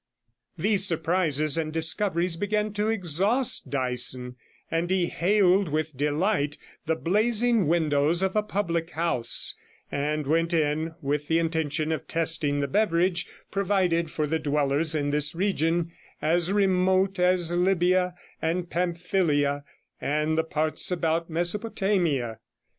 These surprises and discoveries began to exhaust Dyson, and he hailed with delight the blazing windows of a public house, and went in with the intention of testing the beverage provided for the dwellers in this region, as remote as Libya and Pamphylia and the parts about Mesopotamia.